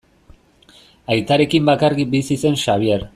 Aitarekin bakarrik bizi zen Xabier.